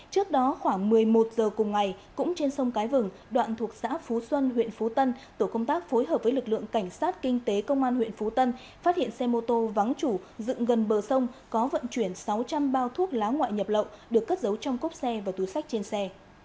trước đó khoảng một mươi một h cùng ngày cũng trên sông cái vừng đoạn thuộc xã phú xuân huyện phú tân tổ công tác phối hợp với lực lượng cảnh sát kinh tế công an huyện phú tân phát hiện xe mô tô vắng chủ dựng gần bờ sông có vận chuyển sáu trăm linh bao thuốc lá ngoại nhập lậu được cất giấu trong cốc xe và túi sách trên xe